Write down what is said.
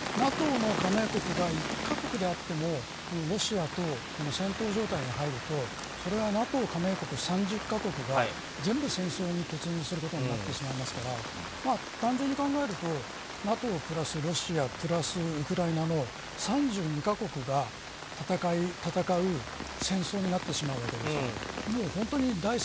ＮＡＴＯの加盟国が１か国であってもロシアと戦闘状態に入るとそれはＮＡＴＯ加盟国３０か国が全部戦争に突入することになってしまいますから単純に考えるとＮＡＴＯプラスウクライナプラスロシアの３２か国が戦う戦争になってしまうわけですよ。